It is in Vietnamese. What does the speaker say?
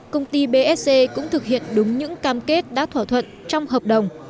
công ty bsc cũng thực hiện đúng những cam kết đã thỏa thuận trong hợp đồng